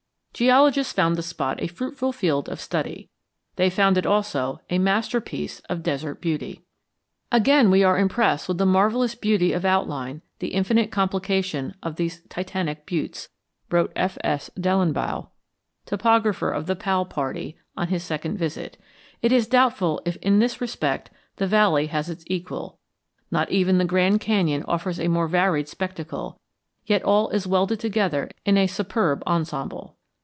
Geologists found the spot a fruitful field of study. They found it also a masterpiece of desert beauty. "Again we are impressed with the marvellous beauty of outline, the infinite complication of these titanic buttes," wrote F.S. Dellenbaugh, topographer of the Powell party, on his second visit. "It is doubtful if in this respect the valley has its equal. Not even the Grand Canyon offers a more varied spectacle; yet all is welded together in a superb ensemble."